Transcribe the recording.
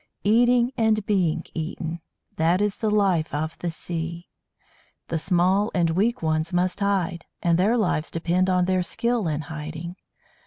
Eating and being eaten that is the life of the sea. The small and weak ones must hide, and their lives depend on their skill in hiding.